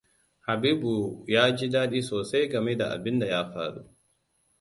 Habibu ya ji daɗi sosai game da abin da ya faru.